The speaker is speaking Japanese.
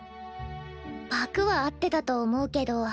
パクは合ってたと思うけど。